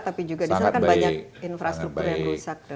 tapi juga di sana kan banyak infrastruktur yang rusak